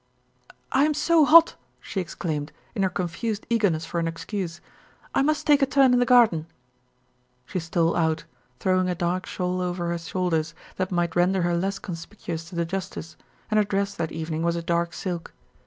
"I am so hot!" she exclaimed, in her confused eagerness for an excuse; "I must take a turn in the garden." She stole out, throwing a dark shawl over her shoulders, that might render her less conspicuous to the justice, and her dress that evening was a dark silk.